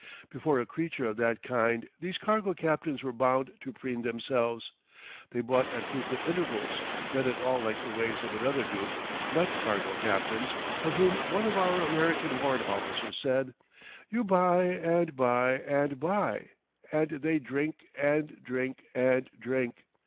Before a creature of that kind these cargo captains were bound to preen themselves. They bought at frequent intervals, not at all like the ways of another group not cargo captains of whom one of our American warrant officers said: "You buy and buy and buy, and they drink and drink and drink.